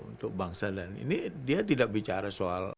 untuk bangsa dan ini dia tidak bicara soal